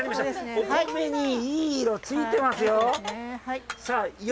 お米に、いい色ついてますよ。